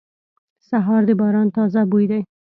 سهار د باران تازه بوی دی.